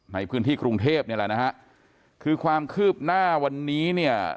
ในพื้นที่กรุงเทพนี่แหละนะฮะคือความคืบหน้าวันนี้เนี่ย